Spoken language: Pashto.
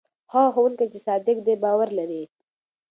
هغه ښوونکی چې صادق دی باور لري.